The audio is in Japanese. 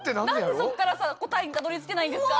何でそっからさ答えにたどりつけないんですか？